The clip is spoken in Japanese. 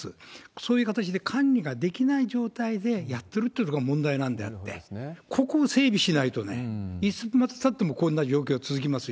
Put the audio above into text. そういう形で管理ができない状態でやってるというところが問題なんであって、ここを整備しないといつまでたってもこんな状況続きますよ。